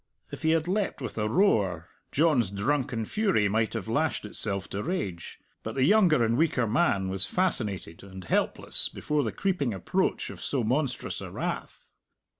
If he had leapt with a roar, John's drunken fury might have lashed itself to rage. But the younger and weaker man was fascinated and helpless before the creeping approach of so monstrous a wrath.